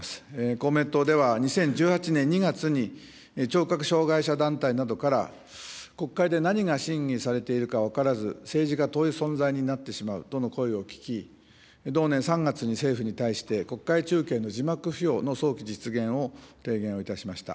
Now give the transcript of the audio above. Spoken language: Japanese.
公明党では、２０１８年２月に聴覚障害者団体などから、国会で何が審議されているか分からず、政治が遠い存在になってしまうとの声を聞き、同年３月に政府に対して、国会中継の字幕付与の早期実現を提言をいたしました。